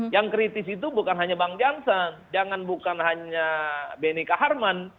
yang kritis itu bukan hanya bang jansen jangan bukan hanya beni kaharman